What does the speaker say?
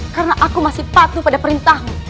karena aku masih patuh pada perintahmu